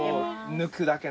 抜くだけ。